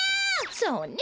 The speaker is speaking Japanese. そうね。